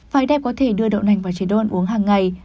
phải đẹp có thể đưa đậu nành vào chế độ ăn uống hằng ngày